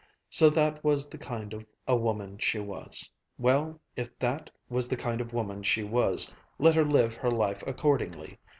So that was the kind of a woman she was. Well, if that was the kind of woman she was, let her live her life accordingly.